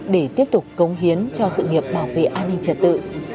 để tiếp tục cống hiến cho sự nghiệp bảo vệ an ninh trật tự